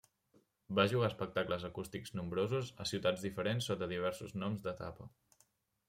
Va jugar espectacles acústics nombrosos a ciutats diferents sota diversos noms d'etapa.